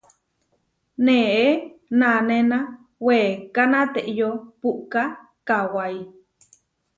Neé nanéna weká nateyó puʼká kawái.